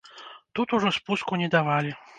Тут ужо спуску не давалі.